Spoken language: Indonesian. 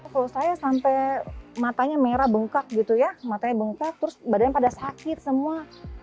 kalau saya sampai matanya merah bengkak gitu ya matanya bengkak terus badan pada sakit semua